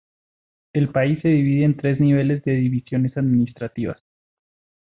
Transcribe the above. El país se divide en tres niveles de divisiones administrativas.